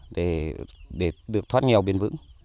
để được thoát nghèo biên vững